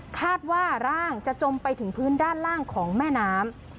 คาดว่าร่างจะจมไปถึงพื้นด้านล่างของแม่น้ำ